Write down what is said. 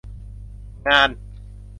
งาน